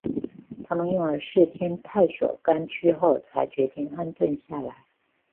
他们用了四天探索该区后才决定安顿下来。